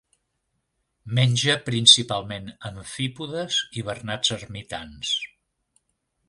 Menja principalment amfípodes i bernats ermitans.